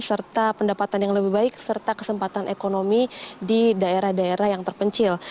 serta pendapatan yang lebih baik serta kesempatan ekonomi di daerah daerah yang terpencil